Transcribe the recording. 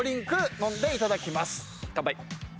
乾杯。